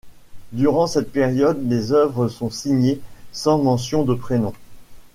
Durant cette période, les œuvres sont signées sans mention de prénom.